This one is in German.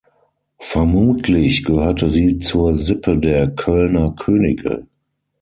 Vermutlich gehörte sie zur Sippe der Kölner Könige.